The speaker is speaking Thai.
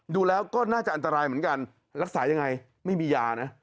ดูแล้วก็น่าจะอันตรายเหมือนกันรักษายังไงไม่มียานะ